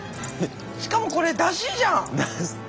しかもこれだしじゃん。